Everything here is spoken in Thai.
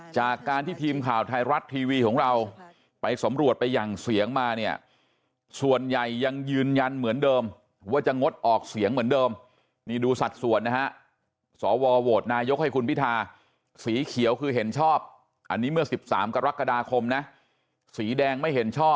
จากการที่ทีมข่าวไทยรัสท์ทีวีของเรา